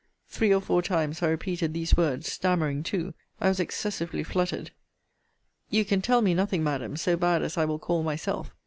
Three or four times I repeated these words, stammering too. I was excessively fluttered. You can tell me nothing, Madam, so bad as I will call myself.